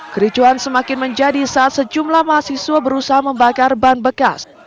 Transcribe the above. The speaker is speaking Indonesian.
kericuan semakin menjadi saat sejumlah mahasiswa berusaha membakar ban bekas